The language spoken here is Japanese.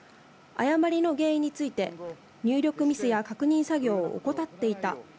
誤りの原因について、入力ミスや確認作業を怠っていた。